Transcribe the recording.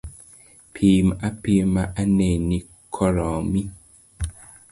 Pim apima anena koromi.